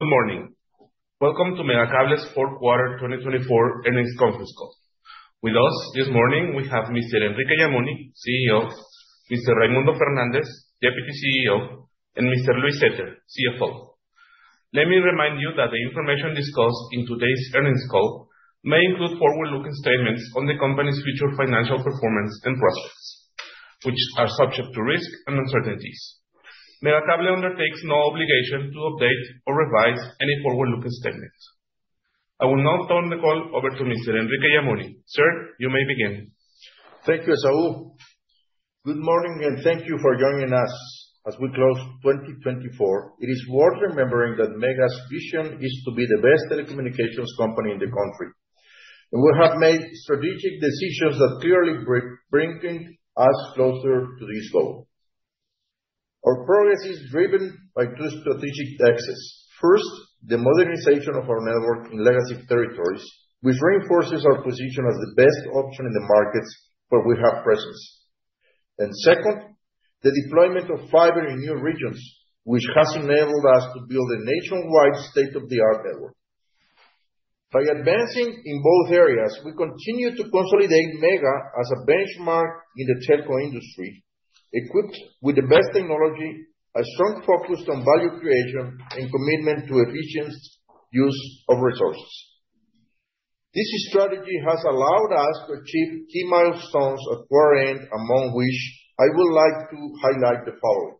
Good morning. Welcome to Megacable Holdings' 4th Quarter 2024 Earnings Conference Call. With us this morning, we have Mr. Enrique Yamuni, CEO, Mr. Raymundo Fernández, Deputy CEO and Mr. Luis Zetter, CFO. Let me remind you that the information discussed in today's earnings call may include forward-looking statements on the company's future financial performance and prospects, which are subject to risk and uncertainties. Megacable undertakes no obligation to update or revise any forward-looking statements. I will now turn the call over to Mr. Enrique Yamuni. Sir, you may begin. Thank you, Esaú. Good morning, and thank you for joining us as we close 2024. It is worth remembering that Mega's vision is to be the best telecommunications company in the country, and we have made strategic decisions that clearly bring us closer to this goal. Our progress is driven by two strategic axes. First, the modernization of our network in legacy territories, which reinforces our position as the best option in the markets where we have presence. And second, the deployment of fiber in new regions, which has enabled us to build a nationwide state-of-the-art network. By advancing in both areas, we continue to consolidate Mega as a benchmark in the telco industry, equipped with the best technology, a strong focus on value creation, and commitment to efficient use of resources. This strategy has allowed us to achieve key milestones at quarter-end, among which I would like to highlight the following.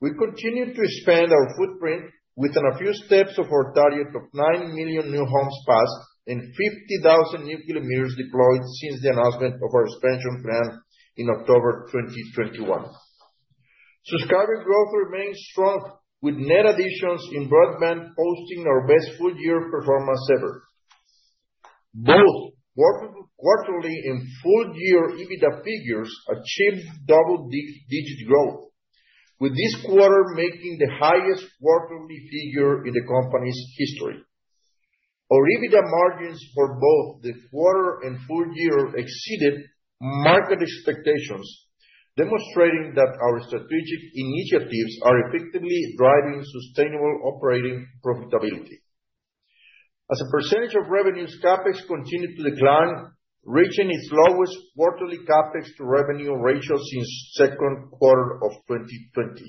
We continue to expand our footprint within a few steps of our target of nine million new homes passed and 50,000 new kilometers deployed since the announcement of our expansion plan in October 2021. Subscriber growth remains strong, with net additions in broadband posting our best full-year performance ever. Both quarterly and full-year EBITDA figures achieved double-digit growth, with this quarter making the highest quarterly figure in the company's history. Our EBITDA margins for both the quarter and full-year exceeded market expectations, demonstrating that our strategic initiatives are effectively driving sustainable operating profitability. As a percentage of revenues, CapEx continued to decline, reaching its lowest quarterly CapEx-to-revenue ratio since the second quarter of 2020.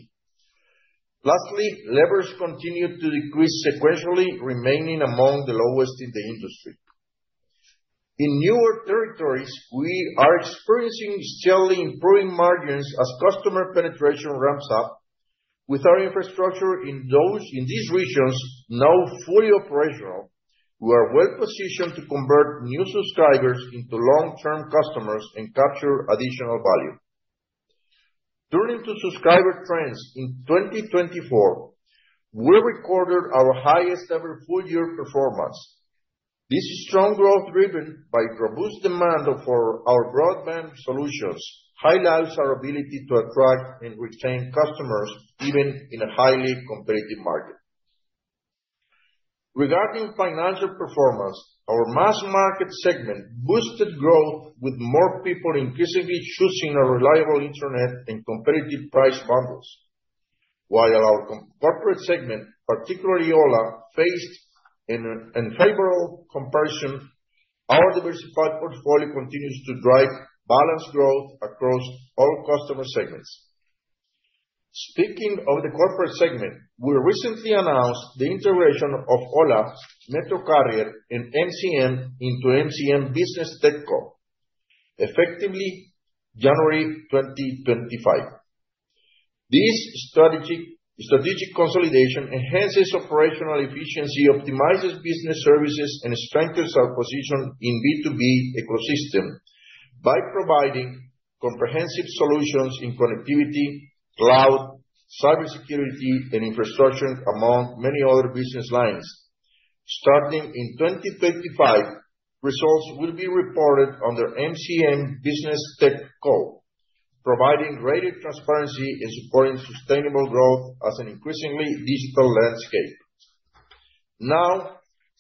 Lastly, leverage continued to decrease sequentially, remaining among the lowest in the industry. In newer territories, we are experiencing steadily improving margins as customer penetration ramps up. With our infrastructure in these regions now fully operational, we are well-positioned to convert new subscribers into long-term customers and capture additional value. Turning to subscriber trends, in 2024, we recorded our highest-ever full-year performance. This strong growth, driven by robust demand for our broadband solutions, highlights our ability to attract and retain customers even in a highly competitive market. Regarding financial performance, our mass-market segment boosted growth, with more people increasingly choosing a reliable internet and competitive price bundles. While our corporate segment, particularly Ho1a, faced an unfavorable comparison, our diversified portfolio continues to drive balanced growth across all customer segments. Speaking of the corporate segment, we recently announced the integration of Ho1a, MetroCarrier, and MCM into MCM Business TechCo, effective January 2025. This strategic consolidation enhances operational efficiency, optimizes business services, and strengthens our position in the B2B ecosystem by providing comprehensive solutions in connectivity, cloud, cybersecurity, and infrastructure, among many other business lines. Starting in 2025, results will be reported under MCM Business TechCo, providing greater transparency and supporting sustainable growth in an increasingly digital landscape. Now,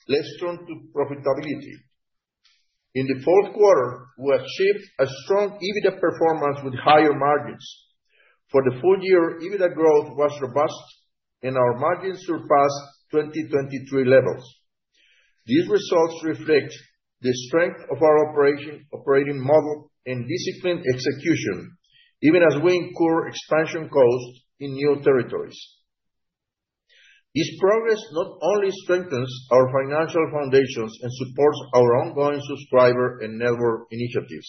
let's turn to profitability. In the fourth quarter, we achieved a strong EBITDA performance with higher margins. For the full-year, EBITDA growth was robust, and our margins surpassed 2023 levels. These results reflect the strength of our operating model and disciplined execution, even as we incur expansion costs in new territories. This progress not only strengthens our financial foundations and supports our ongoing subscriber and network initiatives,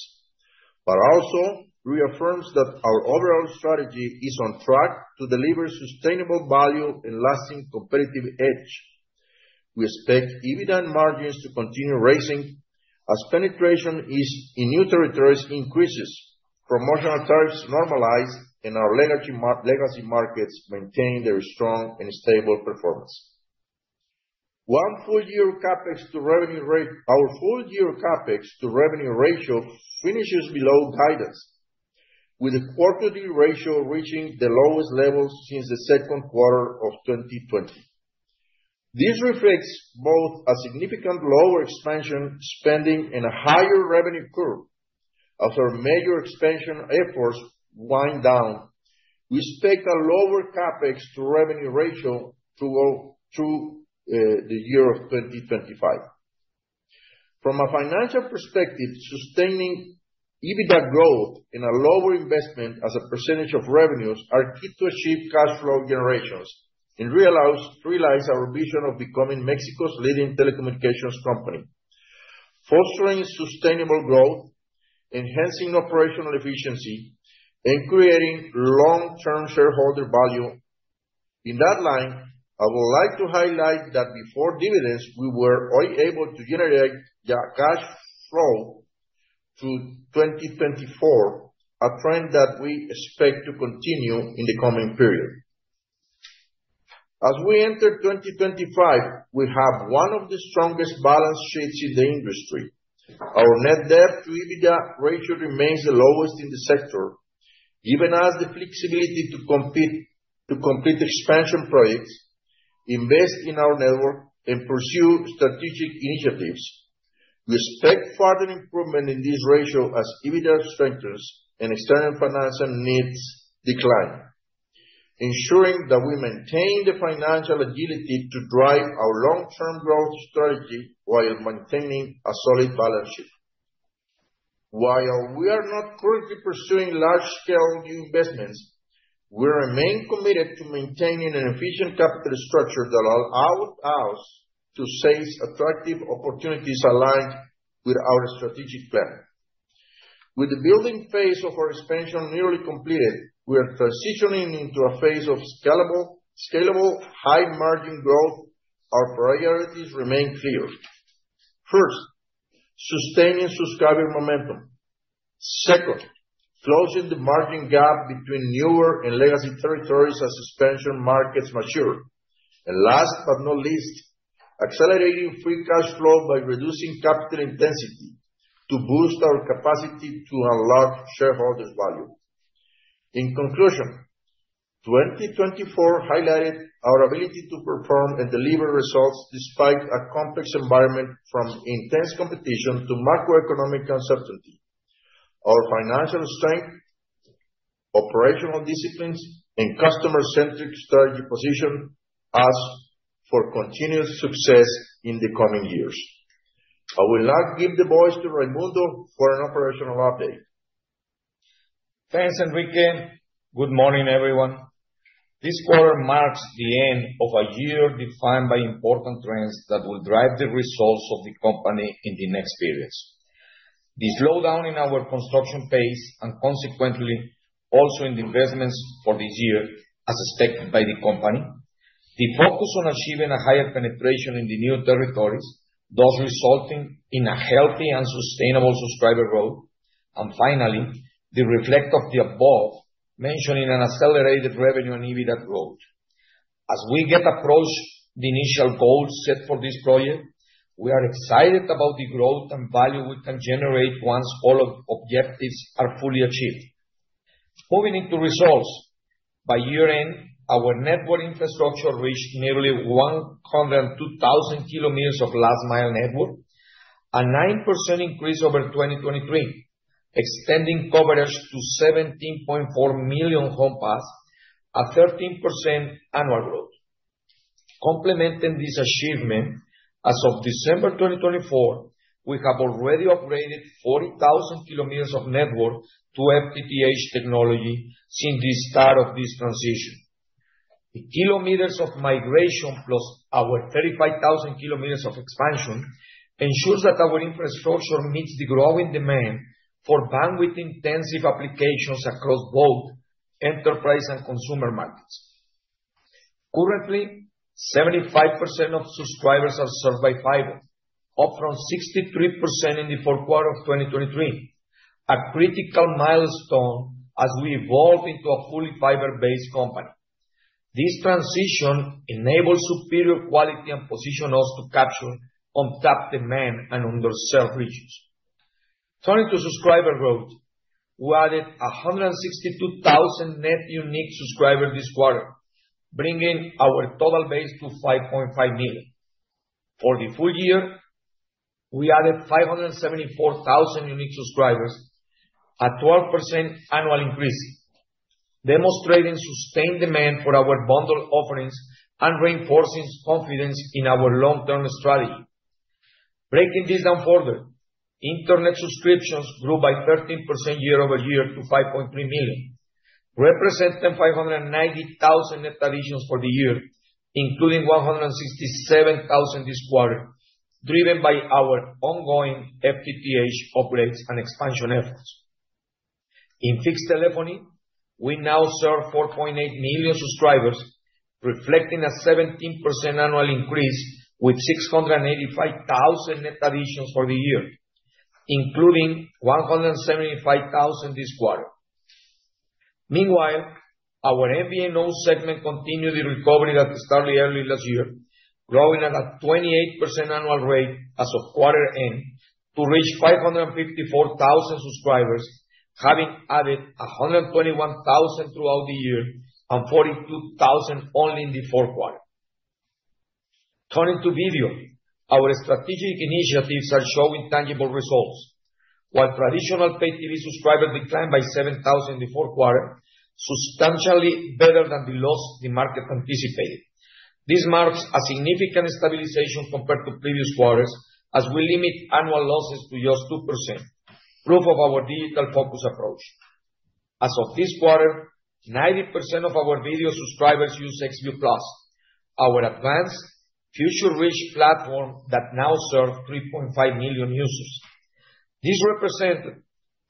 but also reaffirms that our overall strategy is on track to deliver sustainable value and lasting competitive edge. We expect EBITDA and margins to continue rising as penetration in new territories increases, promotional tariffs normalize, and our legacy markets maintain their strong and stable performance. Our full-year CapEx-to-revenue ratio finishes below guidance, with the quarterly ratio reaching the lowest level since the second quarter of 2020. This reflects both a significantly lower expansion spending and a higher revenue curve. As our major expansion efforts wind down, we expect a lower CapEx-to-revenue ratio throughout the year of 2025. From a financial perspective, sustaining EBITDA growth and a lower investment as a percentage of revenues are key to achieve cash flow generation and realize our vision of becoming Mexico's leading telecommunications company, fostering sustainable growth, enhancing operational efficiency, and creating long-term shareholder value. In that line, I would like to highlight that before dividends, we were able to generate cash flow through 2024, a trend that we expect to continue in the coming period. As we enter 2025, we have one of the strongest balance sheets in the industry. Our net debt-to-EBITDA ratio remains the lowest in the sector, giving us the flexibility to complete expansion projects, invest in our network, and pursue strategic initiatives. We expect further improvement in this ratio as EBITDA strengthens and external financing needs decline, ensuring that we maintain the financial agility to drive our long-term growth strategy while maintaining a solid balance sheet. While we are not currently pursuing large-scale new investments, we remain committed to maintaining an efficient capital structure that allows us to seize attractive opportunities aligned with our strategic plan. With the building phase of our expansion nearly completed, we are transitioning into a phase of scalable, high-margin growth. Our priorities remain clear: first, sustaining subscriber momentum, second, closing the margin gap between newer and legacy territories as expansion markets mature, and last but not least, accelerating free cash flow by reducing capital intensity to boost our capacity to unlock shareholder value. In conclusion, 2024 highlighted our ability to perform and deliver results despite a complex environment, from intense competition to macroeconomic uncertainty. Our financial strength, operational discipline, and customer-centric strategy position us for continued success in the coming years. I will now give the voice to Raymundo for an operational update. Thanks, Enrique. Good morning, everyone. This quarter marks the end of a year defined by important trends that will drive the results of the company in the next periods. This slowdown in our construction pace, and consequently, also in the investments for this year, as expected by the company, the focus on achieving a higher penetration in the new territories thus resulting in a healthy and sustainable subscriber growth, and finally, the reflection of the above, mentioning an accelerated revenue and EBITDA growth. As we approach the initial goals set for this project, we are excited about the growth and value we can generate once all objectives are fully achieved. Moving into results, by year-end, our network infrastructure reached nearly 102,000 kilometers of last-mile network, a 9% increase over 2023, extending coverage to 17.4 million homes passed, a 13% annual growth. Complementing this achievement, as of December 2024, we have already upgraded 40,000 km of network to FTTH technology since the start of this transition. The kilometers of migration plus our 35,000 km of expansion ensures that our infrastructure meets the growing demand for bandwidth-intensive applications across both enterprise and consumer markets. Currently, 75% of subscribers are served by fiber, up from 63% in the fourth quarter of 2023, a critical milestone as we evolve into a fully fiber-based company. This transition enables superior quality and positions us to capture untapped demand and underserved regions. Turning to subscriber growth, we added 162,000 net unique subscribers this quarter, bringing our total base to 5.5 million. For the full year, we added 574,000 unique subscribers, a 12% annual increase, demonstrating sustained demand for our bundled offerings and reinforcing confidence in our long-term strategy. Breaking this down further, internet subscriptions grew by 13% year over year to 5.3 million, representing 590,000 net additions for the year, including 167,000 this quarter, driven by our ongoing FTTH upgrades and expansion efforts. In fixed telephony, we now serve 4.8 million subscribers, reflecting a 17% annual increase with 685,000 net additions for the year, including 175,000 this quarter. Meanwhile, our MVNO segment continued the recovery that started early last year, growing at a 28% annual rate as of quarter-end to reach 554,000 subscribers, having added 121,000 throughout the year and 42,000 only in the fourth quarter. Turning to video, our strategic initiatives are showing tangible results. While traditional pay TV subscribers declined by 7,000 in the fourth quarter, substantially better than the loss the market anticipated. This marks a significant stabilization compared to previous quarters, as we limit annual losses to just 2%, proof of our digital-focused approach. As of this quarter, 90% of our video subscribers use Xview+, our advanced, future-proof platform that now serves 3.5 million users. This represents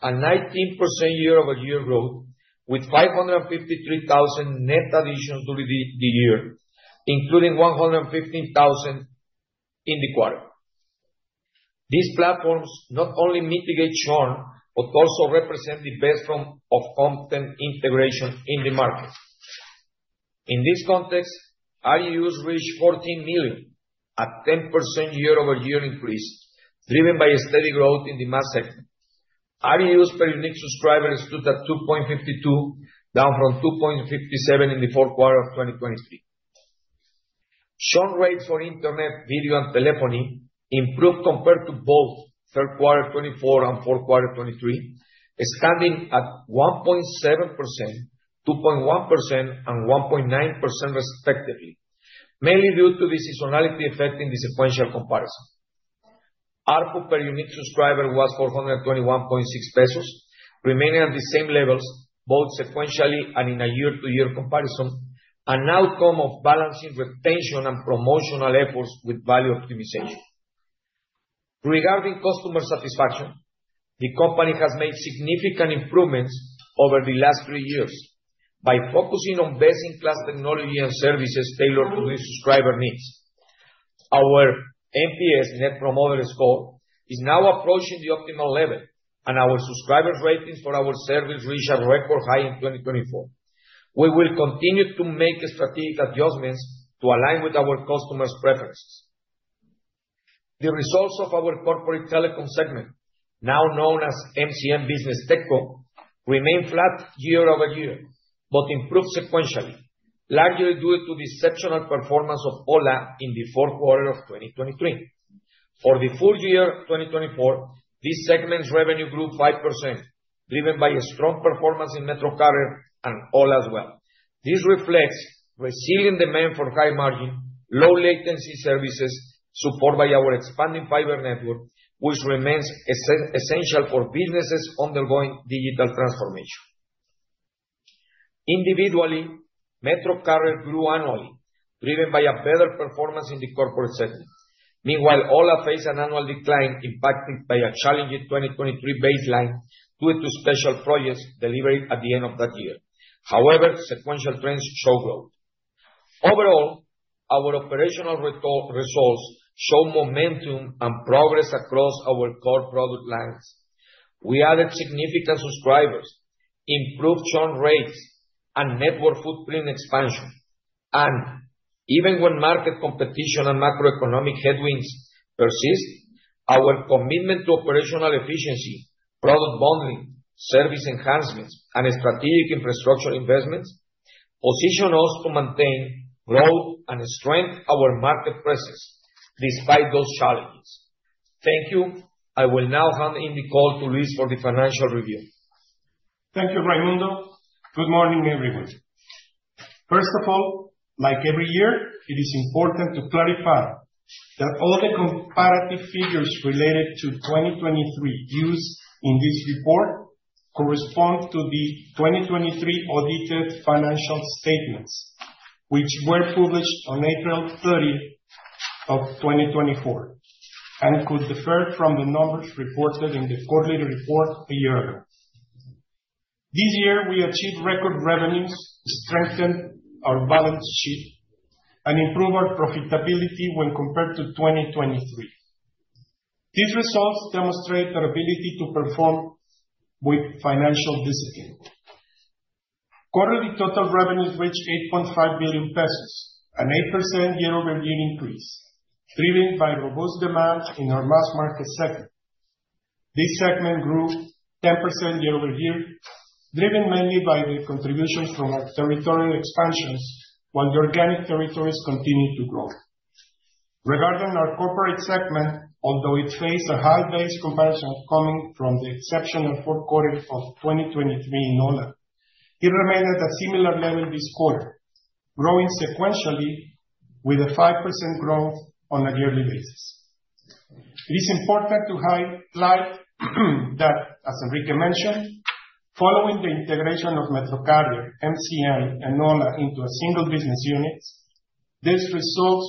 a 19% year-over-year growth with 553,000 net additions during the year, including 115,000 in the quarter. These platforms not only mitigate churn but also represent the best form of content integration in the market. In this context, RGUs reached 14 million, a 10% year-over-year increase, driven by steady growth in the mass segment. RGUs per unique subscriber exceeded 2.52, down from 2.57 in the fourth quarter of 2023. Churn rates for internet, video, and telephony improved compared to both third quarter 2024 and fourth quarter 2023, standing at 1.7%, 2.1%, and 1.9%, respectively, mainly due to the seasonality affecting the sequential comparison. ARPU per unique subscriber was 421.6 pesos, remaining at the same levels both sequentially and in a year-to-year comparison, an outcome of balancing retention and promotional efforts with value optimization. Regarding customer satisfaction, the company has made significant improvements over the last three years by focusing on best-in-class technology and services tailored to new subscriber needs. Our NPS, Net Promoter Score, is now approaching the optimal level, and our subscriber ratings for our service reached a record high in 2024. We will continue to make strategic adjustments to align with our customers' preferences. The results of our corporate telecom segment, now known as MCM Business TechCo, remain flat year-over-year but improved sequentially, largely due to the exceptional performance of Ho1a in the fourth quarter of 2023. For the full year 2024, this segment's revenue grew 5%, driven by a strong performance in MetroCarrier and Ho1a as well. This reflects resilient demand for high-margin, low-latency services supported by our expanding fiber network, which remains essential for businesses undergoing digital transformation. Individually, MetroCarrier grew annually, driven by a better performance in the corporate segment. Meanwhile, Ho1a faced an annual decline impacted by a challenging 2023 baseline due to special projects delivered at the end of that year. However, sequential trends showed growth. Overall, our operational results showed momentum and progress across our core product lines. We added significant subscribers, improved churn rates, and network footprint expansion. And even when market competition and macroeconomic headwinds persist, our commitment to operational efficiency, product bundling, service enhancements, and strategic infrastructure investments position us to maintain growth and strengthen our market presence despite those challenges. Thank you. I will now hand in the call to Luis for the financial review. Thank you, Raymundo. Good morning, everyone. First of all, like every year, it is important to clarify that all the comparative figures related to 2023 used in this report correspond to the 2023 audited financial statements, which were published on April 30 of 2024 and could differ from the numbers reported in the quarterly report a year ago. This year, we achieved record revenues, strengthened our balance sheet, and improved our profitability when compared to 2023. These results demonstrate our ability to perform with financial discipline. Quarterly total revenues reached 8.5 billion pesos, an 8% year-over-year increase, driven by robust demand in our mass market segment. This segment grew 10% year-over-year, driven mainly by the contributions from our territorial expansions while the organic territories continued to grow. Regarding our corporate segment, although it faced a high base comparison coming from the exceptional fourth quarter of 2023 in Ho1a, it remained at a similar level this quarter, growing sequentially with a 5% growth on a yearly basis. It is important to highlight that, as Enrique mentioned, following the integration of MetroCarrier, MCM, and Ho1a into a single business unit, these results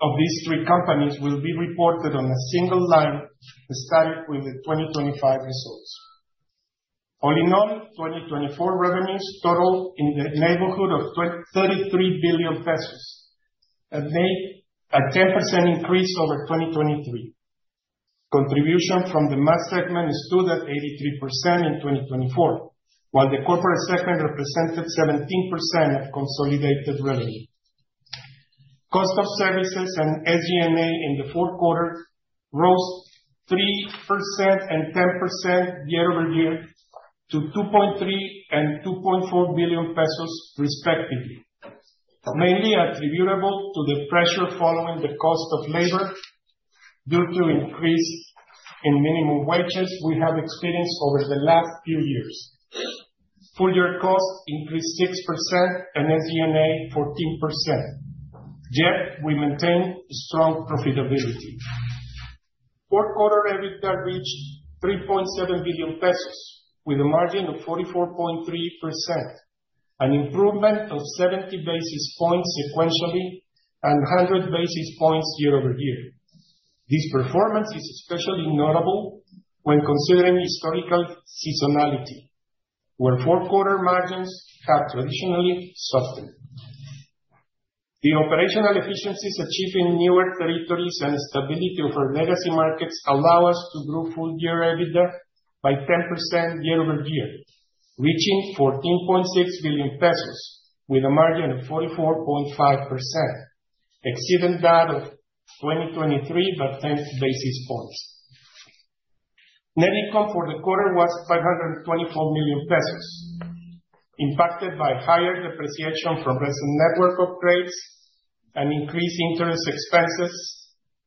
of these three companies will be reported on a single line started with the 2025 results. All in all, 2024 revenues totaled in the neighborhood of 33 billion pesos, a 10% increase over 2023. Contribution from the mass segment stood at 83% in 2024, while the corporate segment represented 17% of consolidated revenue. Cost of services and SG&A in the fourth quarter rose 3% and 10% year-over-year to 2.3 billion and 2.4 billion pesos, respectively, mainly attributable to the pressure following the cost of labor due to increase in minimum wages we have experienced over the last few years. Full-year cost increased 6% and SG&A 14%. Yet, we maintained strong profitability. Fourth quarter EBITDA reached 3.7 billion pesos with a margin of 44.3%, an improvement of 70 basis points sequentially and 100 basis points year-over-year. This performance is especially notable when considering historical seasonality, where fourth quarter margins have traditionally suffered. The operational efficiencies achieving newer territories and stability of our legacy markets allow us to grow full-year EBITDA by 10% year-over-year, reaching 14.6 billion pesos with a margin of 44.5%, exceeding that of 2023 by 10 basis points. Net income for the quarter was 524 million pesos, impacted by higher depreciation from recent network upgrades and increased interest expenses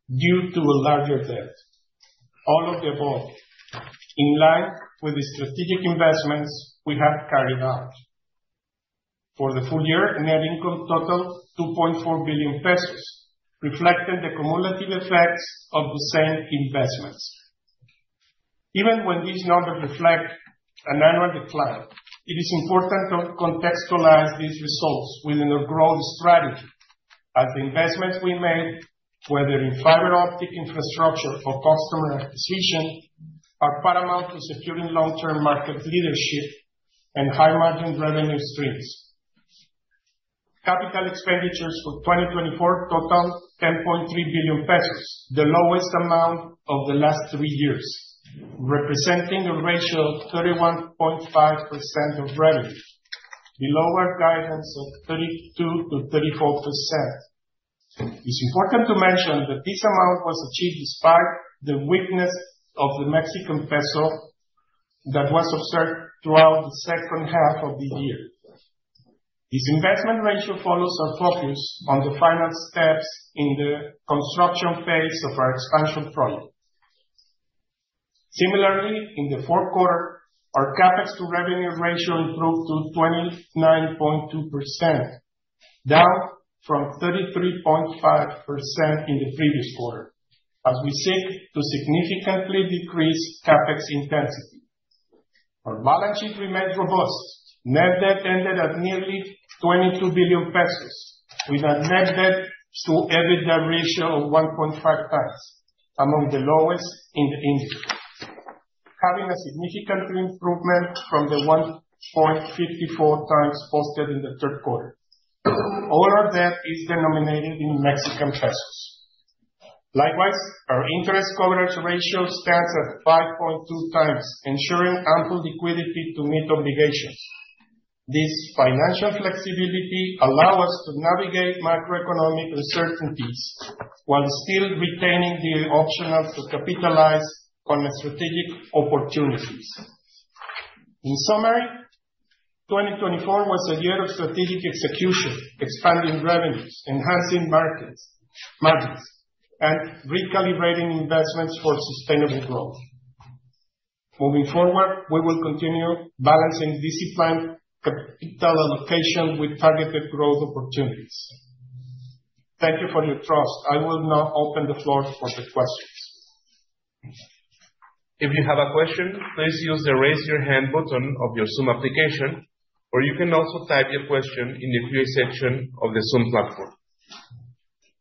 due to a larger debt. All of the above, in line with the strategic investments we have carried out. For the full year, net income totaled 2.4 billion pesos, reflecting the cumulative effects of the same investments. Even when these numbers reflect an annual decline, it is important to contextualize these results within our growth strategy, as the investments we made, whether in fiber optic infrastructure or customer acquisition, are paramount to securing long-term market leadership and high-margin revenue streams. Capital expenditures for 2024 totaled 10.3 billion pesos, the lowest amount of the last three years, representing a ratio of 31.5% of revenue, below our guidance of 32%-34%. It's important to mention that this amount was achieved despite the weakness of the Mexican peso that was observed throughout the second half of the year. This investment ratio follows our focus on the final steps in the construction phase of our expansion project. Similarly, in the fourth quarter, our CapEx-to-revenue ratio improved to 29.2%, down from 33.5% in the previous quarter, as we seek to significantly decrease CapEx intensity. Our balance sheet remained robust. Net debt ended at nearly 22 billion pesos, with a net debt-to-EBITDA ratio of 1.5 times, among the lowest in the industry, having a significant improvement from the 1.54 times posted in the third quarter. All our debt is denominated in Mexican pesos. Likewise, our interest coverage ratio stands at 5.2 times, ensuring ample liquidity to meet obligations. This financial flexibility allows us to navigate macroeconomic uncertainties while still retaining the option to capitalize on strategic opportunities. In summary, 2024 was a year of strategic execution, expanding revenues, enhancing markets, and recalibrating investments for sustainable growth. Moving forward, we will continue balancing disciplined capital allocation with targeted growth opportunities. Thank you for your trust. I will now open the floor for the questions. If you have a question, please use the Raise Your Hand button of your Zoom application, or you can also type your question in the Q&A section of the Zoom platform.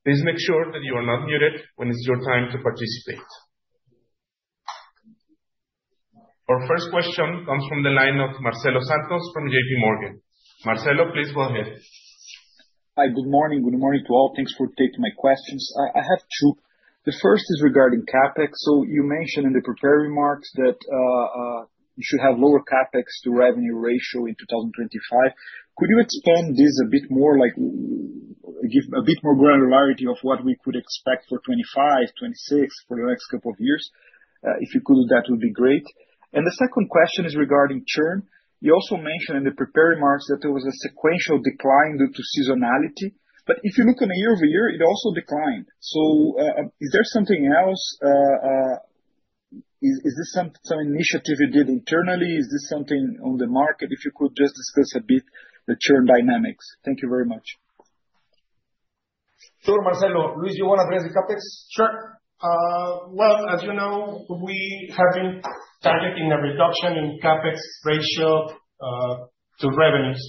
Please make sure that you are not muted when it's your time to participate. Our first question comes from the line of Marcelo Santos from JPMorgan. Marcelo, please go ahead. Hi, good morning. Good morning to all. Thanks for taking my questions. I have two. The first is regarding CapEx. So you mentioned in the prepared remarks that you should have lower CapEx-to-revenue ratio in 2025. Could you expand this a bit more, like give a bit more granularity of what we could expect for 2025, 2026, for the next couple of years? If you could, that would be great. And the second question is regarding churn. You also mentioned in the prepared remarks that there was a sequential decline due to seasonality. But if you look on a year-over-year, it also declined. So is there something else? Is this some initiative you did internally? Is this something on the market? If you could just discuss a bit the churn dynamics. Thank you very much. Sure, Marcelo. Luis, do you want to address the CapEx? Sure, well, as you know, we have been targeting a reduction in CapEx ratio to revenues,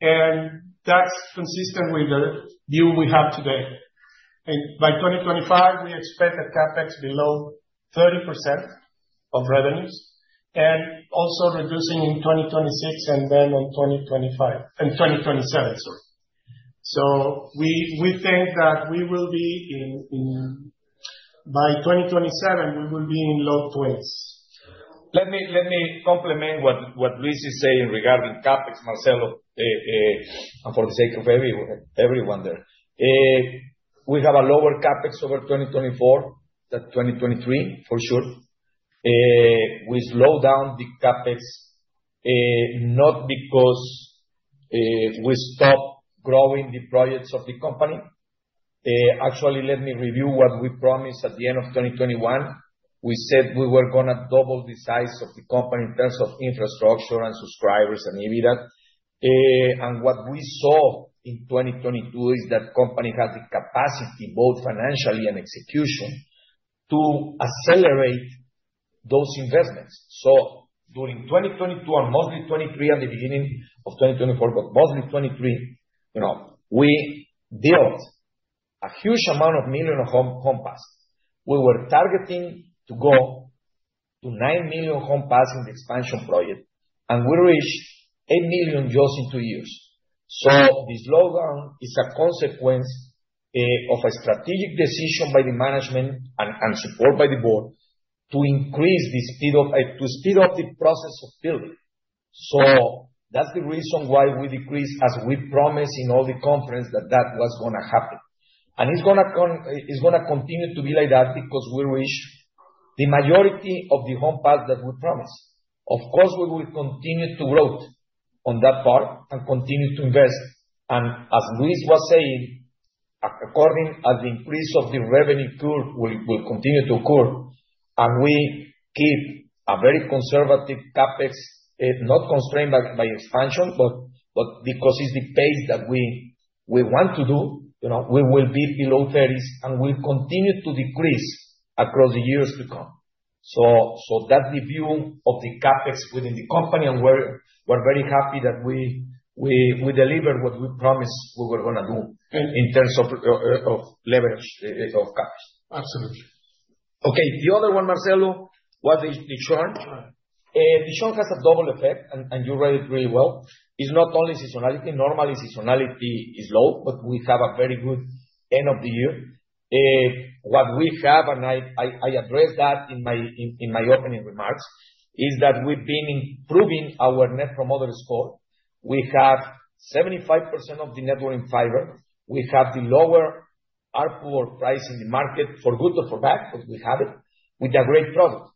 and that's consistent with the view we have today, and by 2025, we expect a CapEx below 30% of revenues, and also reducing in 2026 and then in 2025 and 2027, sorry, so we think that we will be in by 2027, we will be in low 20s. Let me complement what Luis is saying regarding CapEx, Marcelo, and for the sake of everyone there. We have a lower CapEx over 2024 than 2023, for sure. We slowed down the CapEx not because we stopped growing the projects of the company. Actually, let me review what we promised at the end of 2021. We said we were going to double the size of the company in terms of infrastructure and subscribers and EBITDA. And what we saw in 2022 is that the company had the capacity, both financially and execution, to accelerate those investments. So during 2022, and mostly 2023, and the beginning of 2024, but mostly 2023, we built a huge amount, millions of homes passed. We were targeting to go to 9 million homes passed in the expansion project, and we reached 8 million just in two years. This slowdown is a consequence of a strategic decision by the management and support by the board to increase the speed of the process of building. That's the reason why we decreased, as we promised in all the conferences, that that was going to happen. It's going to continue to be like that because we reached the majority of the homes passed that we promised. Of course, we will continue to grow on that part and continue to invest. As Luis was saying, according to the increase of the revenue curve, we will continue to incur. We keep a very conservative CapEx, not constrained by expansion, but because it's the pace that we want to do, we will be below 30%, and we'll continue to decrease across the years to come. So that's the view of the CapEx within the company, and we're very happy that we delivered what we promised we were going to do in terms of leverage of CapEx. Absolutely. Okay. The other one, Marcelo, was the churn. The churn has a double effect, and you read it really well. It's not only seasonality. Normally, seasonality is low, but we have a very good end of the year. What we have, and I addressed that in my opening remarks, is that we've been improving our net promoter score. We have 75% of the network in fiber. We have the lower offer price in the market, for good or for bad, but we have it, with a great product,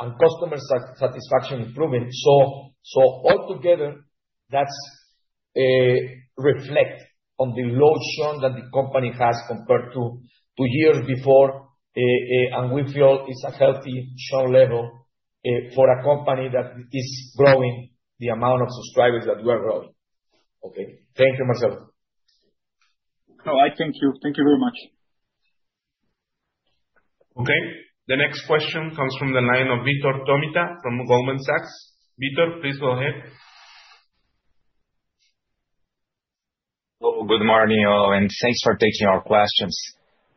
and customer satisfaction improving. So altogether, that reflects on the low churn that the company has compared to years before, and we feel it's a healthy churn level for a company that is growing the amount of subscribers that we are growing. Okay. Thank you, Marcelo. No, I thank you. Thank you very much. Okay. The next question comes from the line of Vitor Tomita from Goldman Sachs. Vitor, please go ahead. Hello. Good morning, and thanks for taking our questions.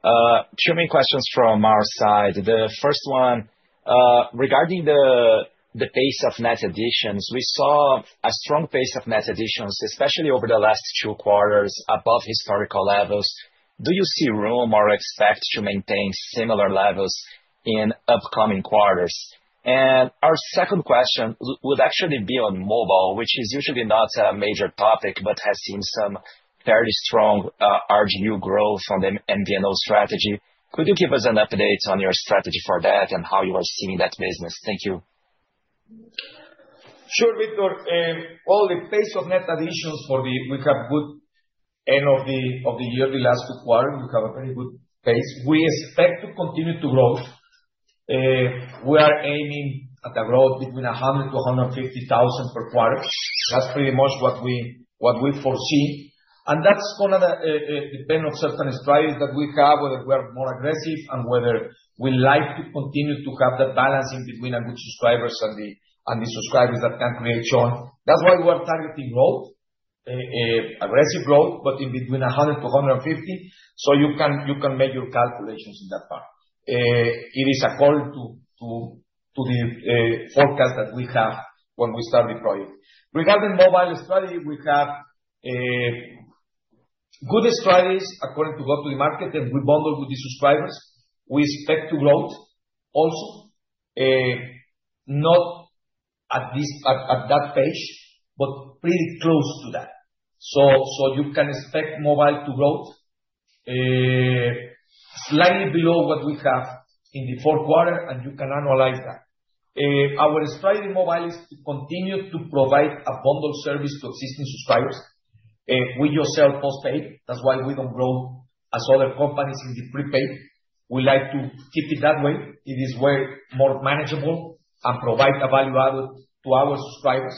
Two main questions from our side. The first one, regarding the pace of net additions, we saw a strong pace of net additions, especially over the last two quarters, above historical levels. Do you see room or expect to maintain similar levels in upcoming quarters? And our second question would actually be on mobile, which is usually not a major topic but has seen some fairly strong RGU growth on the MVNO strategy. Could you give us an update on your strategy for that and how you are seeing that business? Thank you. Sure, Vitor. Well, the pace of net additions for the week of Good End of the year, the last two quarters, we have a very good pace. We expect to continue to grow. We are aiming at a growth between 100,000-150,000 per quarter. That's pretty much what we foresee. And that's going to depend on certain strategies that we have, whether we are more aggressive and whether we like to continue to have that balance in between good subscribers and the subscribers that can create churn. That's why we are targeting growth, aggressive growth, but in between 100,000-150,000. So you can make your calculations in that part. It is according to the forecast that we have when we start the project. Regarding mobile strategy, we have good strategies according to go to the market, and we bundle with the subscribers. We expect to grow also, not at that pace, but pretty close to that. So you can expect mobile to grow slightly below what we have in the fourth quarter, and you can analyze that. Our strategy in mobile is to continue to provide a bundled service to existing subscribers. We just sell postpaid. That's why we don't grow as other companies in the prepaid. We like to keep it that way. It is way more manageable and provides a value added to our subscribers.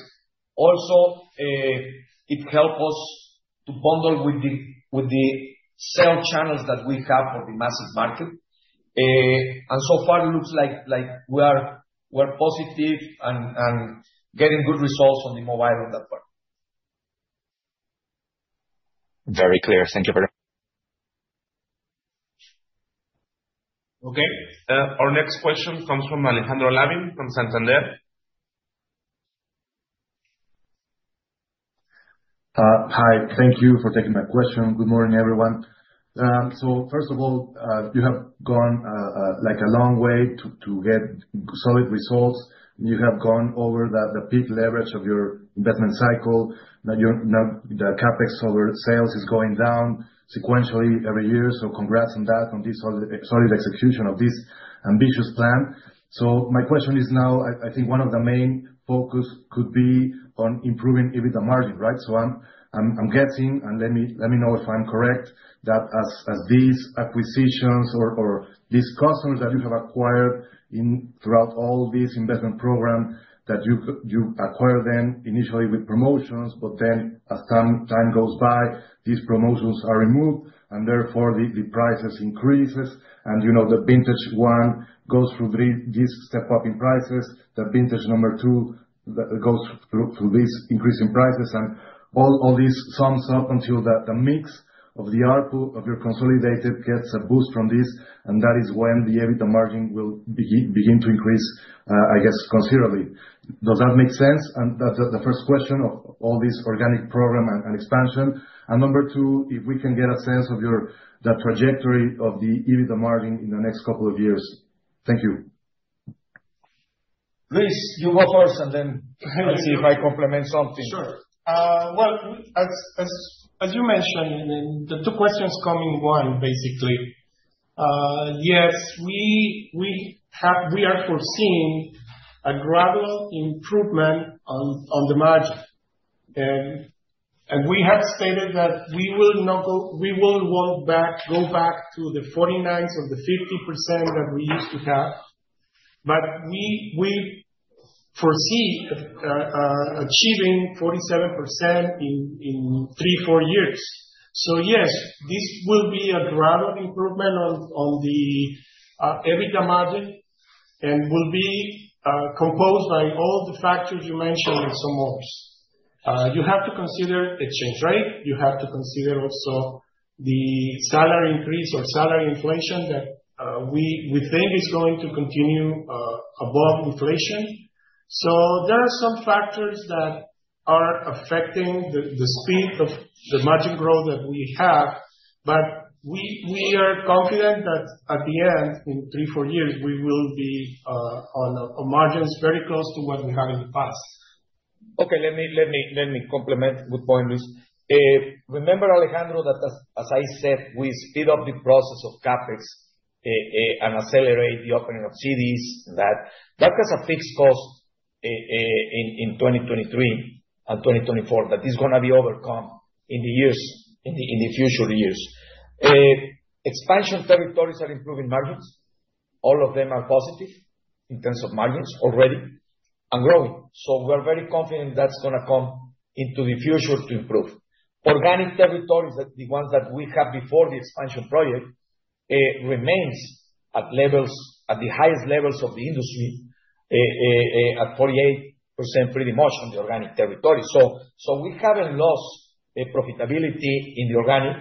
Also, it helps us to bundle with the sales channels that we have for the massive market. And so far, it looks like we are positive and getting good results on the mobile on that part. Very clear. Thank you very much. Okay. Our next question comes from Alejandro Lavín from Santander. Hi. Thank you for taking my question. Good morning, everyone. So first of all, you have gone a long way to get solid results. You have gone over the peak leverage of your investment cycle. The CapEx over sales is going down sequentially every year. So congrats on that, on this solid execution of this ambitious plan. So my question is now, I think one of the main focus could be on improving EBITDA margin, right? So I'm guessing, and let me know if I'm correct, that as these acquisitions or these customers that you have acquired throughout all these investment programs, that you acquired them initially with promotions, but then as time goes by, these promotions are removed, and therefore the prices increase. And the vintage one goes through this step up in prices. The vintage number two goes through these increasing prices. All this sums up until the mix of the RGUs of your consolidated gets a boost from this, and that is when the EBITDA margin will begin to increase, I guess, considerably. Does that make sense? That's the first question of all this organic program and expansion. Number two, if we can get a sense of the trajectory of the EBITDA margin in the next couple of years. Thank you. Luis, you go first, and then let's see if I complement something. Sure. Well, as you mentioned, the two questions come in one, basically. Yes, we are foreseeing a gradual improvement on the margin. We have stated that we will not go back to the 49% or the 50% that we used to have, but we foresee achieving 47% in three, four years. Yes, this will be a gradual improvement on the EBITDA margin and will be composed by all the factors you mentioned and some others. You have to consider exchange rate. You have to consider also the salary increase or salary inflation that we think is going to continue above inflation. There are some factors that are affecting the speed of the margin growth that we have, but we are confident that at the end, in three, four years, we will be on margins very close to what we had in the past. Okay. Let me compliment. Good point, Luis. Remember, Alejandro, that as I said, we speed up the process of CapEx and accelerate the opening of CDs. That has a fixed cost in 2023 and 2024 that is going to be overcome in the future years. Expansion territories are improving margins. All of them are positive in terms of margins already and growing. So we're very confident that's going to come into the future to improve. Organic territories, the ones that we had before the expansion project, remain at the highest levels of the industry at 48% pretty much on the organic territory. So we haven't lost profitability in the organic.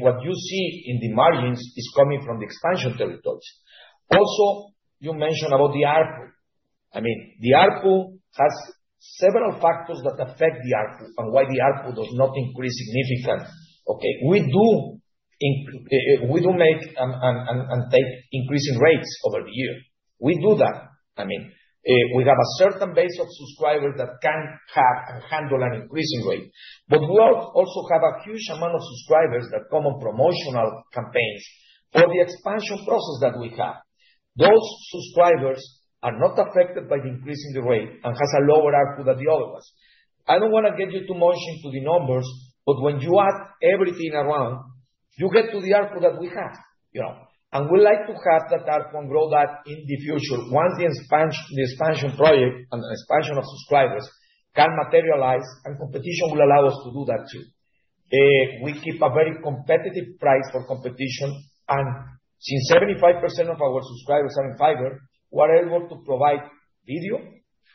What you see in the margins is coming from the expansion territories. Also, you mentioned about the ARPU. I mean, the ARPU has several factors that affect the ARPU and why the ARPU does not increase significantly. Okay. We do make and take increasing rates over the year. We do that. I mean, we have a certain base of subscribers that can handle an increasing rate. But we also have a huge amount of subscribers that come on promotional campaigns for the expansion process that we have. Those subscribers are not affected by the increase in the rate and have a lower ARPU than the other ones. I don't want to get you too much into the numbers, but when you add everything around, you get to the ARPU that we have. And we'd like to have that ARPU grow that in the future once the expansion project and the expansion of subscribers can materialize, and competition will allow us to do that too. We keep a very competitive price for competition. And since 75% of our subscribers are in fiber, we are able to provide video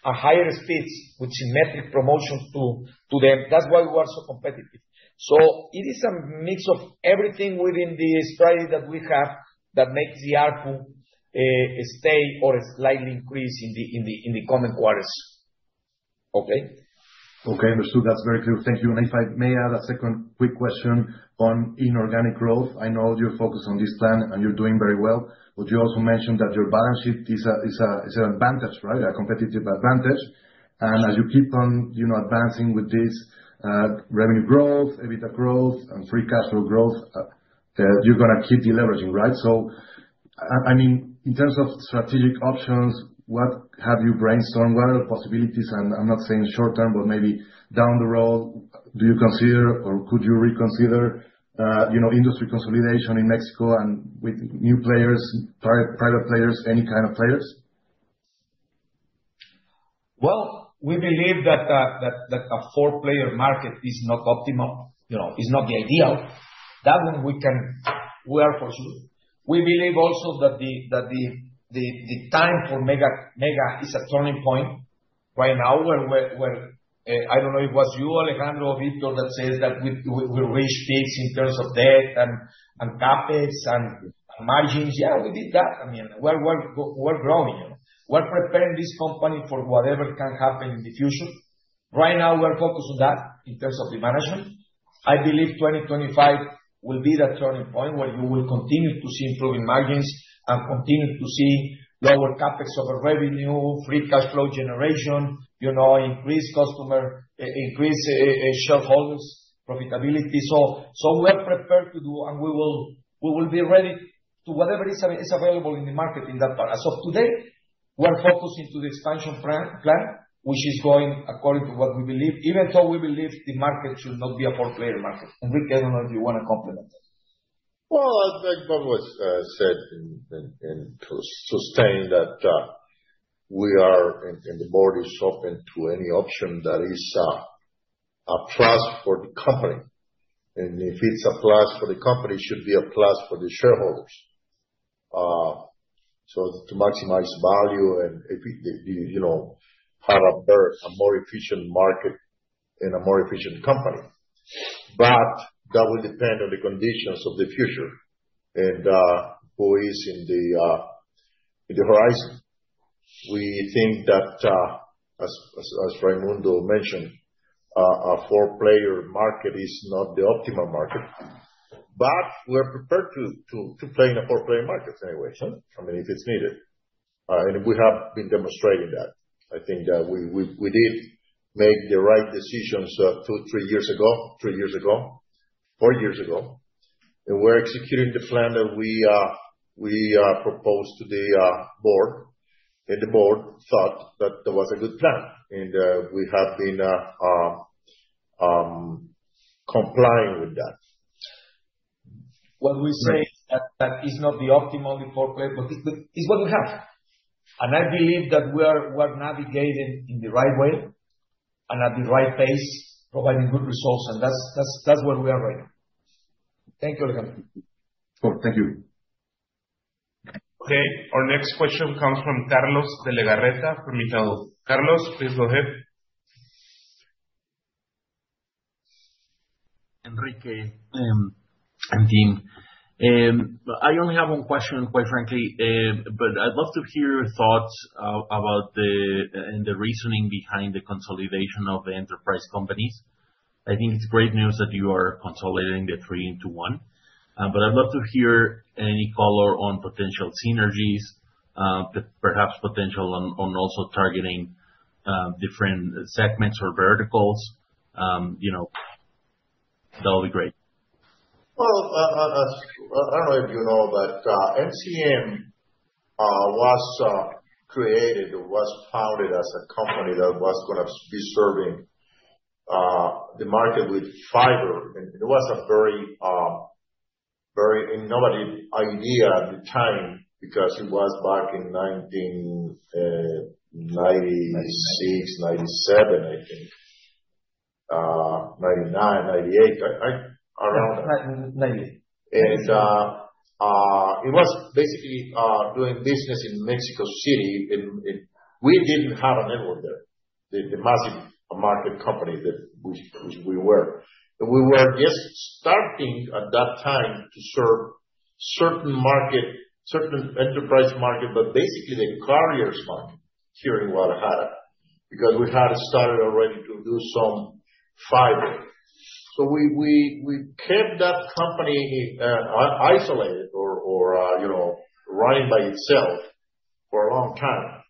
at higher speeds with symmetric promotions to them. That's why we are so competitive. So it is a mix of everything within the strategy that we have that makes the ARPU stay or slightly increase in the coming quarters. Okay? Okay. Understood. That's very clear. Thank you. And if I may add a second quick question on inorganic growth. I know you're focused on this plan, and you're doing very well. But you also mentioned that your balance sheet is an advantage, right? A competitive advantage. And as you keep on advancing with this revenue growth, EBITDA growth, and free cash flow growth, you're going to keep deleveraging, right? So I mean, in terms of strategic options, what have you brainstormed? What are the possibilities? And I'm not saying short term, but maybe down the road, do you consider or could you reconsider industry consolidation in Mexico and with new players, private players, any kind of players? We believe that a four-player market is not optimal. It's not the ideal. That one, we are for sure. We believe also that the time for Megacable is a turning point right now. I don't know if it was you, Alejandro, or Vitor that said that we reached peaks in terms of debt and CapEx and margins. Yeah, we did that. I mean, we're growing. We're preparing this company for whatever can happen in the future. Right now, we're focused on that in terms of the management. I believe 2025 will be the turning point where you will continue to see improving margins and continue to see lower CapEx over revenue, free cash flow generation, increased shareholders' profitability. So we're prepared to do, and we will be ready to whatever is available in the market in that part. As of today, we're focusing on the expansion plan, which is going according to what we believe, even though we believe the market should not be a four-player market. Enrique, I don't know if you want to complement that. I think what was said and to sustain that we are, the board is open to any option that is a plus for the company. If it's a plus for the company, it should be a plus for the shareholders to maximize value and have a more efficient market and a more efficient company. That will depend on the conditions of the future and who is on the horizon. We think that, as Raymundo mentioned, a four-player market is not the optimal market, but we're prepared to play in a four-player market anyway, I mean, if it's needed. We have been demonstrating that. I think that we did make the right decisions two, three years ago, three years ago, four years ago. We're executing the plan that we proposed to the board. The board thought that that was a good plan. We have been complying with that. What we say is that that is not the optimal four-player, but it's what we have. And I believe that we are navigating in the right way and at the right pace, providing good results. And that's where we are right now. Thank you, Alejandro. Sure. Thank you. Okay. Our next question comes from Carlos de Legarreta from Itaú BBA. Carlos, please go ahead. Enrique and team, I only have one question, quite frankly, but I'd love to hear your thoughts about the reasoning behind the consolidation of the enterprise companies. I think it's great news that you are consolidating the three into one, but I'd love to hear any color on potential synergies, perhaps potential on also targeting different segments or verticals. That would be great. I don't know if you know, but MCM was created or was founded as a company that was going to be serving the market with fiber. It was a very innovative idea at the time because it was back in 1996, 1997, I think, 1999, 1998, around 1990. It was basically doing business in Mexico City. We didn't have a network there, the massive market company that we were. We were just starting at that time to serve certain enterprise market, but basically the carriers market here in Guadalajara because we had started already to do some fiber. We kept that company isolated or running by itself for a long time.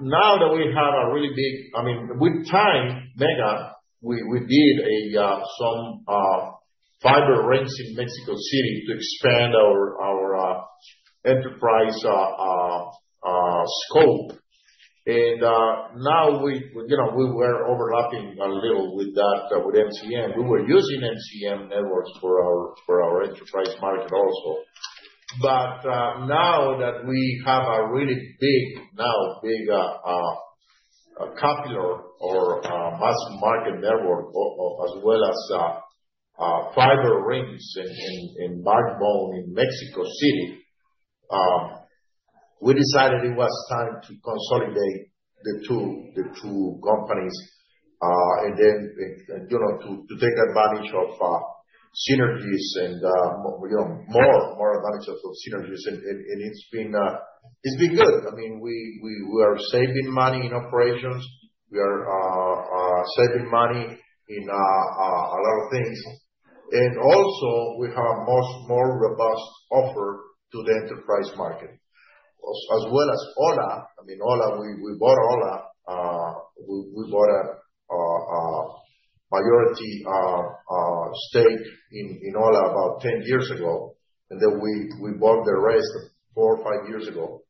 Now that we have a really big I mean, with time, Megacable, we did some fiber rings in Mexico City to expand our enterprise scope. Now we were overlapping a little with that with MCM. We were using MCM networks for our enterprise market also. But now that we have a really big capillary or mass market network as well as fiber rings and backbone in Mexico City, we decided it was time to consolidate the two companies and then to take advantage of synergies and more advantages of synergies. And it's been good. I mean, we are saving money in operations. We are saving money in a lot of things. And also, we have a much more robust offer to the enterprise market as well as Ho1a. I mean, Ho1a, we bought Ho1a. We bought a majority stake in Ho1a about 10 years ago. And then we bought the rest four or five years ago.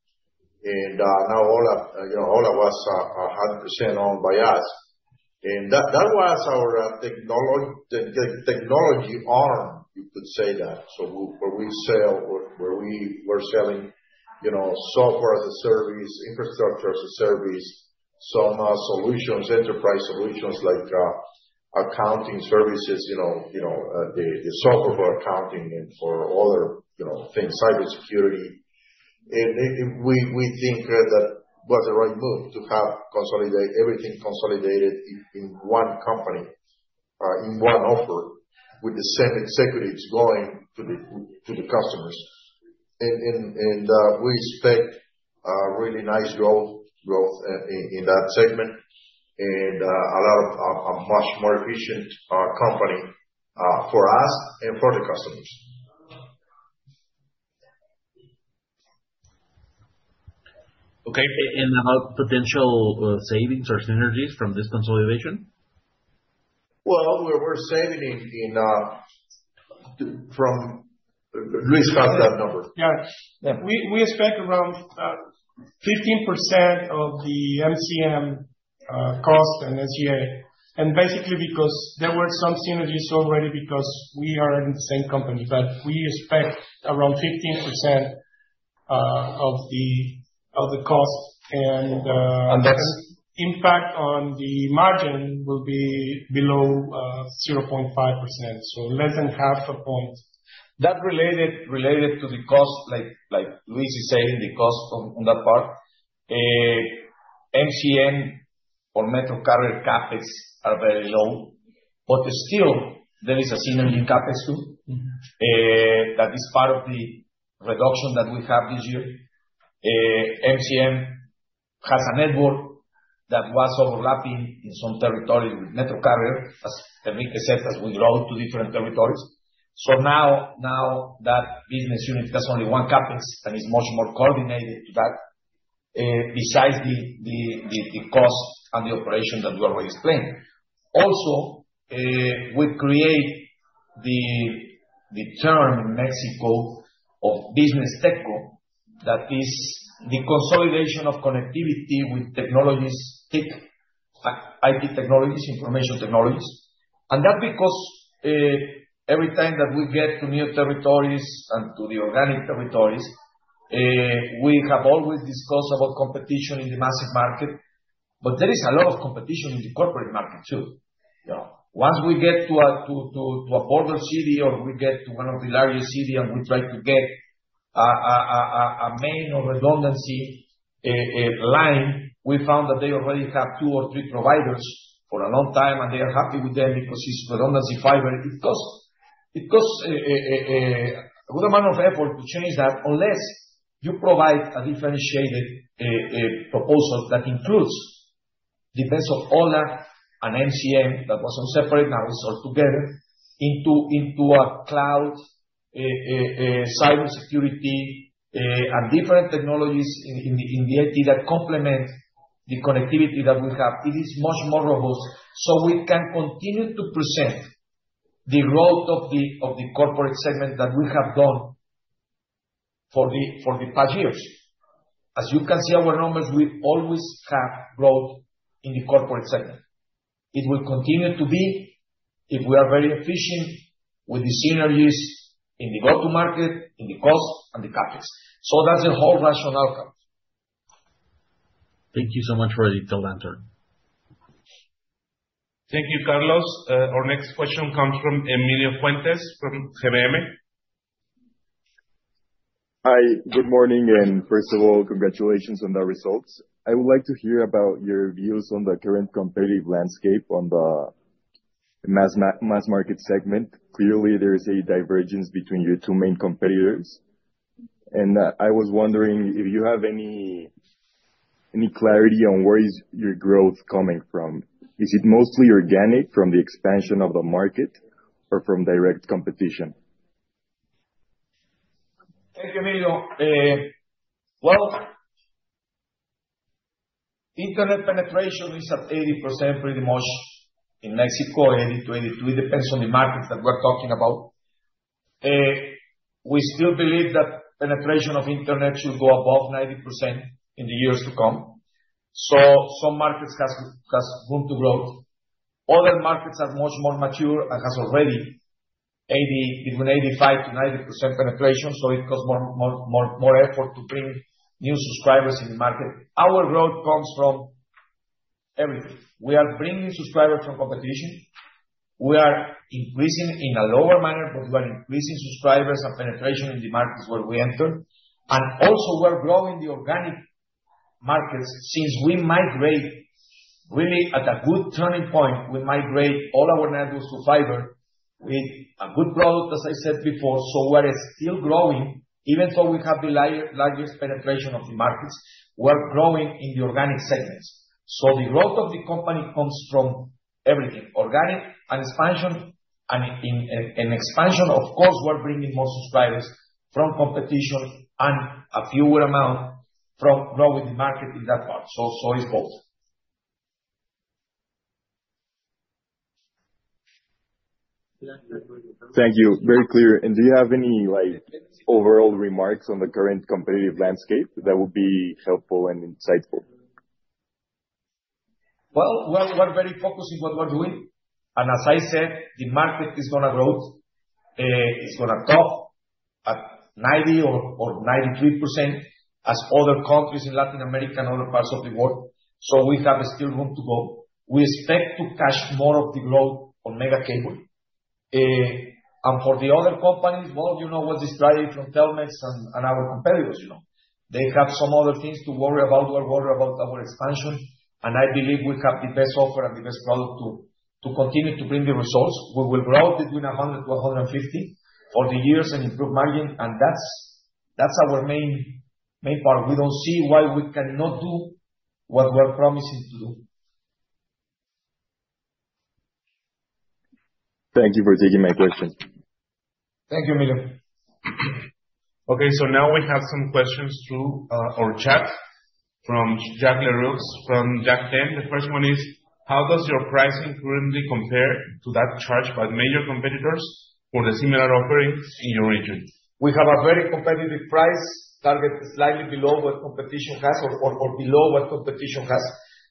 And now Ho1a was 100% owned by us. That was our technology arm, you could say that, where we were selling software as a service, infrastructure as a service, some solutions, enterprise solutions like accounting services, the software for accounting and for other things, cybersecurity. We think that it was the right move to have everything consolidated in one company, in one offer with the same executives going to the customers. We expect really nice growth in that segment and a lot of a much more efficient company for us and for the customers. Okay. And about potential savings or synergies from this consolidation? We're saving from Luis has that number. Yeah. We expect around 15% of the MCM cost and SG&A. Basically, because there were some synergies already because we are in the same company, but we expect around 15% of the cost. And that impact on the margin will be below 0.5%, so less than half a point. That related to the cost, like Luis is saying, the cost on that part. MCM or MetroCarrier CapEx are very low, but still, there is a synergy CapEx too that is part of the reduction that we have this year. MCM has a network that was overlapping in some territories with MetroCarrier, as Enrique said, as we grow to different territories. So now that business unit has only one CapEx and is much more coordinated to that besides the cost and the operation that we already explained. Also, we create the term in Mexico of business TechCo that is the consolidation of connectivity with technologies, IT technologies, information technologies. And that's because every time that we get to new territories and to the organic territories, we have always discussed about competition in the massive market, but there is a lot of competition in the corporate market too. Once we get to a border city or we get to one of the largest cities and we try to get a main or redundancy line, we found that they already have two or three providers for a long time, and they are happy with them because it's redundancy fiber. It costs a good amount of effort to change that unless you provide a differentiated proposal that includes the best of Ho1a and MCM that was on separate. Now it's all together into a cloud, cybersecurity, and different technologies in the IT that complement the connectivity that we have. It is much more robust, so we can continue to present the growth of the corporate segment that we have done for the past years. As you can see our numbers, we always have growth in the corporate segment. It will continue to be if we are very efficient with the synergies in the go-to-market, in the cost, and the CapEx. So that's the whole rationale comes. Thank you so much for the Itaú BBA answer. Thank you, Carlos. Our next question comes from Emilio Fuentes from GBM. Hi. Good morning. First of all, congratulations on the results. I would like to hear about your views on the current competitive landscape on the mass market segment. Clearly, there is a divergence between your two main competitors. I was wondering if you have any clarity on where is your growth coming from. Is it mostly organic from the expansion of the market or from direct competition? Thank you, Emilio. Internet penetration is at 80% pretty much in Mexico, 80%-82%. It depends on the markets that we're talking about. We still believe that penetration of internet should go above 90% in the years to come. So some markets have room to grow. Other markets are much more mature and have already between 85%-90% penetration. So it costs more effort to bring new subscribers in the market. Our growth comes from everything. We are bringing subscribers from competition. We are increasing in a lower manner, but we are increasing subscribers and penetration in the markets where we enter. And also, we are growing the organic markets since we migrate really at a good turning point. We migrate all our networks to fiber with a good product, as I said before. So we are still growing even though we have the largest penetration of the markets. We are growing in the organic segments. So the growth of the company comes from everything, organic and expansion. And in expansion, of course, we're bringing more subscribers from competition and a fewer amount from growing the market in that part. So it's both. Thank you. Very clear. And do you have any overall remarks on the current competitive landscape that would be helpful and insightful? We're very focused in what we're doing. As I said, the market is going to grow. It's going to top at 90% or 93% as other countries in Latin America and other parts of the world. We have still room to go. We expect to capture more of the growth on Megacable. For the other companies, well, you know what's the strategy from Telmex and our competitors. They have some other things to worry about. We're worried about our expansion. I believe we have the best offer and the best product to continue to bring the results. We will grow between 100 to 150 for the years and improve margin. That's our main part. We don't see why we cannot do what we're promising to do. Thank you for taking my question. Thank you, Emilio. Okay, so now we have some questions through our chat from Jack Le Roux from J. Stern. The first one is, how does your pricing currently compare to that charge by major competitors for the similar offerings in your region? We have a very competitive price target slightly below what competition has.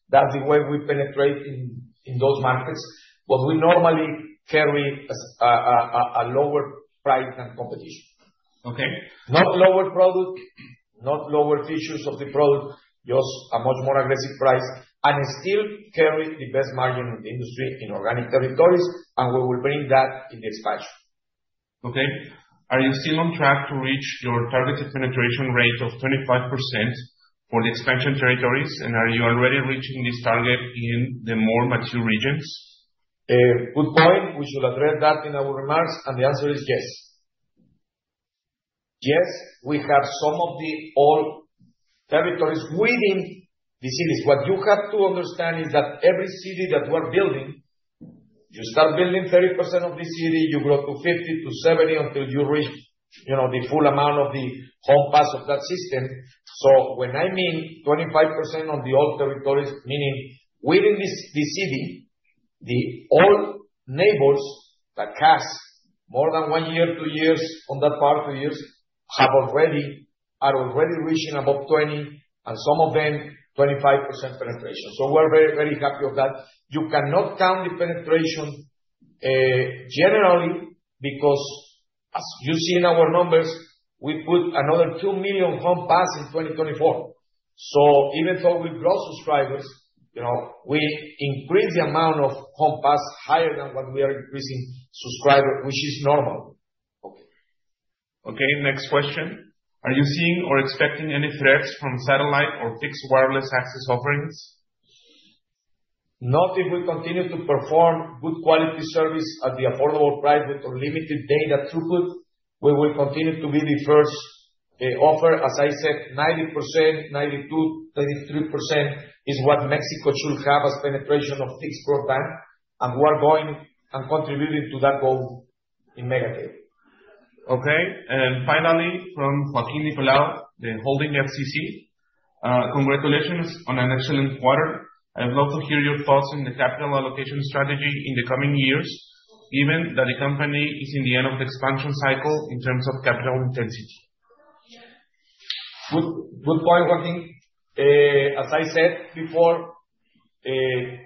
That's the way we penetrate in those markets. But we normally carry a lower price than competition. Okay. Not lower product, not lower features of the product, just a much more aggressive price and still carry the best margin in the industry in organic territories. We will bring that in the expansion. Okay. Are you still on track to reach your targeted penetration rate of 25% for the expansion territories, and are you already reaching this target in the more mature regions? Good point. We should address that in our remarks. And the answer is yes. Yes, we have some of the old territories within the cities. What you have to understand is that every city that we're building, you start building 30% of the city, you grow to 50-70 until you reach the full amount of the homes passed of that system. So when I mean 25% on the old territories, meaning within the city, the old neighbors that have more than one year, two years on that part, two years are already reaching about 20% and some of them 25% penetration. So we're very, very happy of that. You cannot count the penetration generally because as you see in our numbers, we put another 2 million homes passed in 2024. Even though we grow subscribers, we increase the amount of CapEx higher than what we are increasing subscribers, which is normal. Okay. Next question. Are you seeing or expecting any threats from satellite or fixed wireless access offerings? Not if we continue to perform good quality service at the affordable price with unlimited data throughput. We will continue to be the first offer. As I said, 90%, 92%, 93% is what Mexico should have as penetration of fixed broadband, and we're going and contributing to that goal in Megacable. Okay. And finally, from Joaquín de Palau, Tresalia Capital, congratulations on an excellent quarter. I'd love to hear your thoughts on the capital allocation strategy in the coming years, given that the company is in the end of the expansion cycle in terms of capital intensity. Good point, Joaquín. As I said before,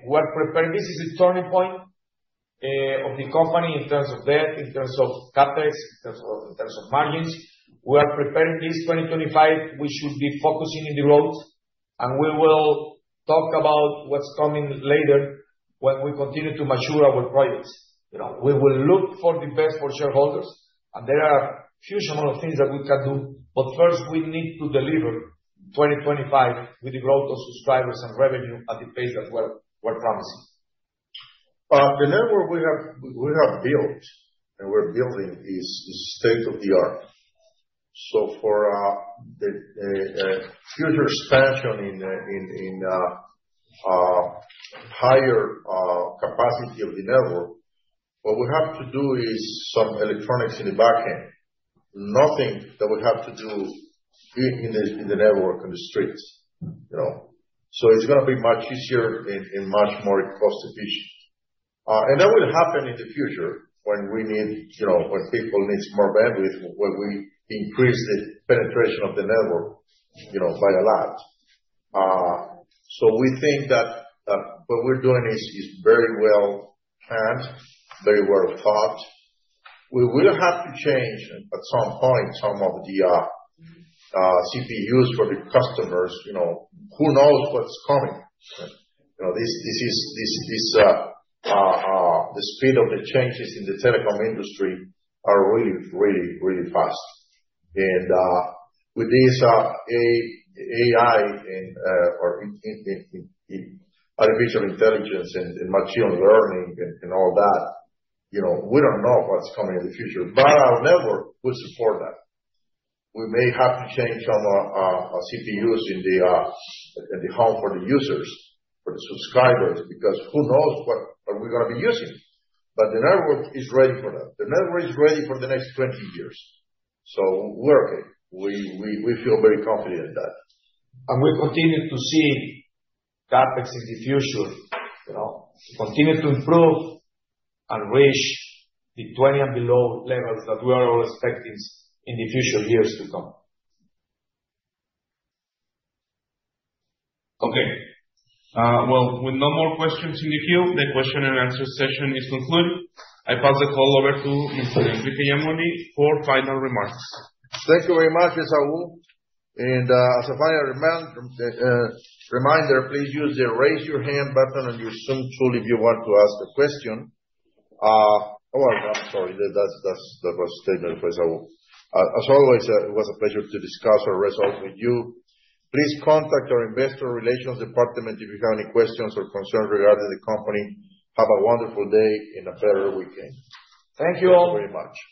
we're prepared. This is a turning point of the company in terms of debt, in terms of CapEx, in terms of margins. We are preparing this 2025. We should be focusing in the roads, and we will talk about what's coming later when we continue to mature our projects. We will look for the best for shareholders, and there are a huge amount of things that we can do, but first, we need to deliver 2025 with the growth of subscribers and revenue at the pace that we're promising. The network we have built and we're building is state of the art. So for the future expansion in higher capacity of the network, what we have to do is some electronics in the backend, nothing that we have to do in the network on the streets. So it's going to be much easier and much more cost-efficient. And that will happen in the future when people need more bandwidth, when we increase the penetration of the network by a lot. So we think that what we're doing is very well planned, very well thought. We will have to change at some point some of the CPEs for the customers. Who knows what's coming? The speed of the changes in the telecom industry are really, really, really fast. And with this AI or artificial intelligence and machine learning and all that, we don't know what's coming in the future. But our network will support that. We may have to change some of our CPEs in the home for the users, for the subscribers, because who knows what we're going to be using. But the network is ready for that. The network is ready for the next 20 years. So we're okay. We feel very confident in that. We continue to see CapEx in the future continue to improve and reach the 20 and below levels that we are all expecting in the future years to come. Okay. Well, with no more questions in the queue, the question and answer session is concluded. I pass the call over to Mr. Enrique Yamuni for final remarks. Thank you very much, Mr. Esaú. As a final reminder, please use the raise your hand button on your Zoom tool if you want to ask a question. Oh, I'm sorry. That was taken as a question, Esaú. As always, it was a pleasure to discuss our results with you. Please contact our Investor Relations department if you have any questions or concerns regarding the company. Have a wonderful day and a fine weekend. Thank you all very much.